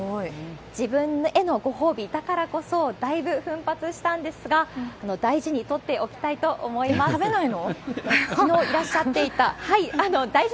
自分へのご褒美だからこそ、だいぶ奮発したんですが、大事に取っ食べないの？